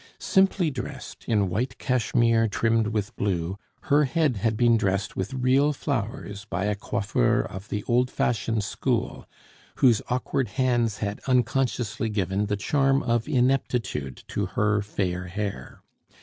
Simply dressed in white cashmere trimmed with blue, her head had been dressed with real flowers by a coiffeur of the old fashioned school, whose awkward hands had unconsciously given the charm of ineptitude to her fair hair.